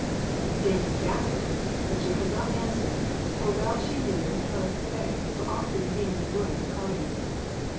The dame was aghast at this, but she could not answer it for well she knew the Tylwyth Teg were often seen in the woods of Cardigan.